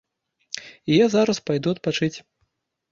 І я зараз пайду адпачыць.